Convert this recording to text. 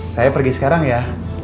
saya pergi sekarang ya